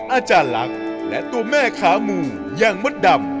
อาจารย์หลักและตัวแยกขามูยังมดดำ